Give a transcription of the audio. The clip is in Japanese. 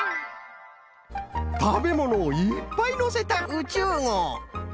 たべものをいっぱいのせた「宇宙号」。